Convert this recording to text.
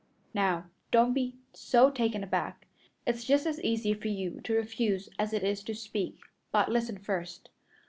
"Now don't be so taken aback. It's just as easy for you to refuse as it is to speak, but listen first.